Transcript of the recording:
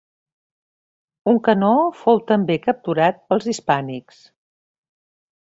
Un canó fou també capturat pels hispànics.